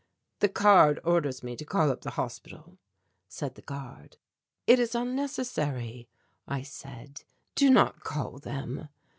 "The card orders me to call up the hospital," said the guard. "It is unnecessary," I said. "Do not call them."